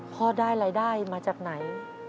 พ่อได้รายได้มาจากไหน